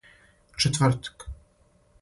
четвртак